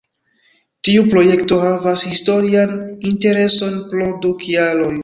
Tiu projekto havas historian intereson pro du kialoj.